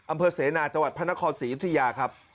อำเภอเสนาจังหวัดพระนครศรียุธยาครับ